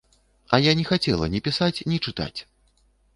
А я не хацела ні пісаць, ні чытаць!